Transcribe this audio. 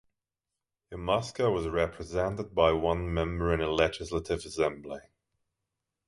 Yamaska was represented by one member in the Legislative Assembly.